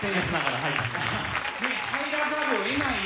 入らざるをえないよね。